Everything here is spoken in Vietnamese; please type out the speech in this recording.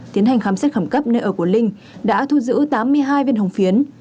tiến hành khám xét khẩn cấp nơi ở của linh đã thu giữ tám mươi hai viên hồng phiến